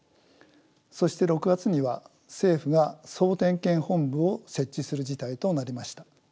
そして６月には政府が総点検本部を設置する事態となりました。